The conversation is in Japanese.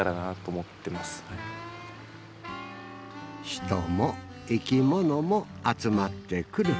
人も生き物も集まってくる。